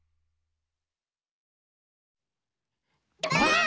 ばあっ！